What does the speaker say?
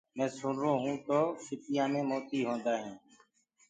مينٚ سُڻرو هونٚ تو سيٚپو مي موتي هوندآ هينٚ۔